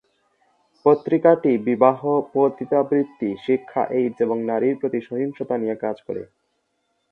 পত্রিকাটি বিবাহ, পতিতাবৃত্তি, শিক্ষা, এইডস এবং নারীর প্রতি সহিংসতা নিয়ে কাজ করে।